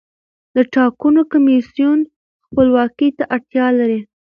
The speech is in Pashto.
د ټاکنو کمیسیون خپلواکۍ ته اړتیا لري